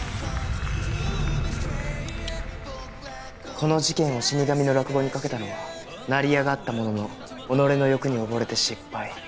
この事件を『死神』の落語にかけたのは成り上がったものの己の欲に溺れて失敗。